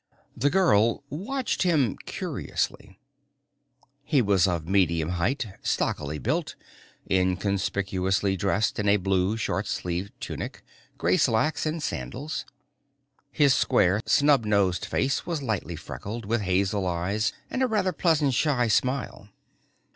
The girl watched him curiously. He was of medium height, stockily built, inconspicuously dressed in a blue short sleeved tunic, gray slacks and sandals. His square snub nosed face was lightly freckled, with hazel eyes and a rather pleasant shy smile.